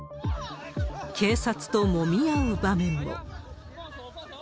警察ともみ合う場面も。